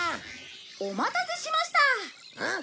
「お待たせしました」ん？